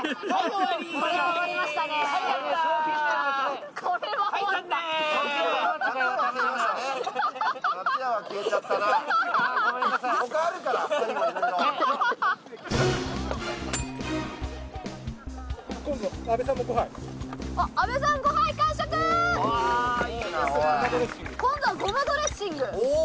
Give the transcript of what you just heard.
今度はごまドレッシング。